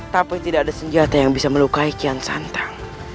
tapi tidak ada senjata yang bisa melukai kian santang